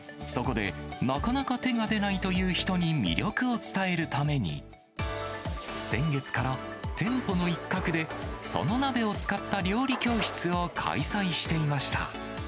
そこで、なかなか手が出ないという人に魅力を伝えるために、先月から、店舗の一角で、その鍋を使った料理教室を開催していました。